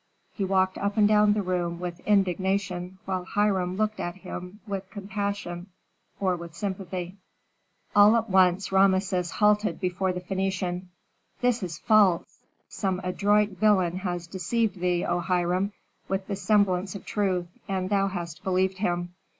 He walked up and down the room, with indignation, while Hiram looked at him with compassion or with sympathy. All at once Rameses halted before the Phœnician, "This is false! Some adroit villain has deceived thee, O Hiram, with the semblance of truth, and thou hast believed him.